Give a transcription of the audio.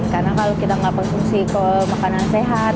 karena kalau kita nggak berfungsi ke makanan sehat